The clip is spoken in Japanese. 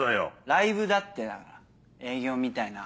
ライブだってだから営業みたいな。